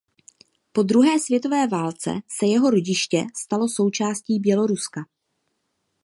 Po druhé světové válce se jeho rodiště stalo součástí Běloruska.